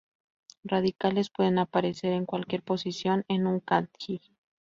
Radicales pueden aparecer en cualquier posición en un Kanji.